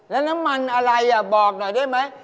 แล้วน้ำมันอะไรบอกหน่อยได้ไหม